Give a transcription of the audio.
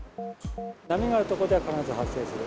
波がある所では必ず発生する。